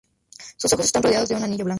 Sus ojos están rodeados de un anillo blanco.